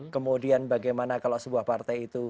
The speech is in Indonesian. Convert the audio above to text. kemudian bagaimana kalau sebuah partai itu